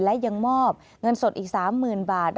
และยังมอบเงินสดอีก๓๐๐๐บาท